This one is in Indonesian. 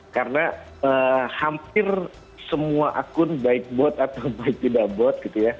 karena hampir semua akun baik bot atau baik tidak bot gitu ya